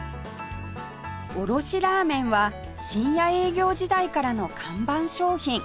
おろしラーメンは深夜営業時代からの看板商品